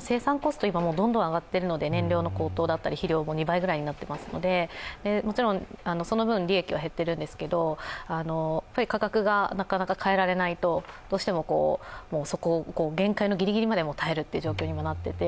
生産コスト、今どんどん上がっているので、燃料の高騰だったり肥料も２倍ぐらいになっていますので、もちろん、その分、利益は減っているんですけれども価格がなかなか変えられないと、どうしても、限界ぎりぎりまで耐える状況になっていて